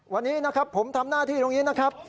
วันนี้นะครับผมทำหน้าที่ตรงนี้นะครับ